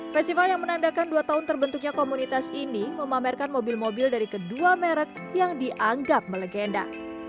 festival yang menandakan dua tahun terbentuknya komunitas ini memamerkan mobil mobil dari kedua merek yang dianggap melegenda